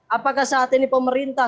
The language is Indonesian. apakah saat ini pemerintah